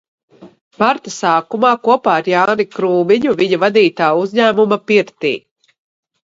Marta sākumā kopā ar Jāni Krūmiņu viņa vadītā uzņēmuma pirtī.